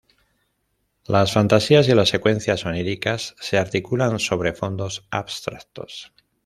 Las fantasías y las secuencias oníricas se articulan sobre fondos abstractos.